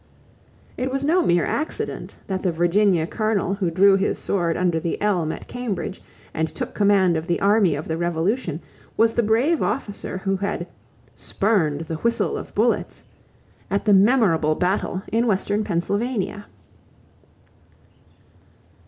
It was no mere accident that the Virginia colonel who drew his sword under the elm at Cambridge and took command of the army of the Revolution was the brave officer who had "spurned the whistle of bullets" at the memorable battle in western Pennsylvania.